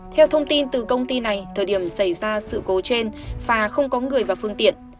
theo thông tin từ công ty này thời điểm xảy ra sự cố trên phà không có người và phương tiện